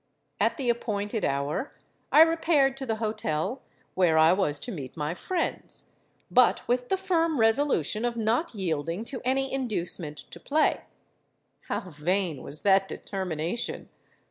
At the appointed hour I repaired to the hotel where I was to meet my friends; but with the firm resolution of not yielding to any inducement to play. How vain was that determination!